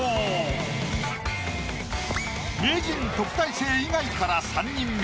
名人特待生以外から３人目。